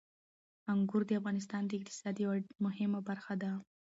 انګور د افغانستان د اقتصاد یوه مهمه برخه ده.